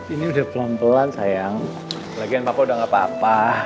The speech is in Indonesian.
ini udah pelan pelan sayang lagian bapak udah gak apa apa